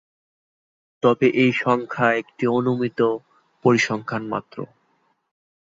তবে এই সংখ্যা একটি অনুমিত পরিসংখ্যান মাত্র।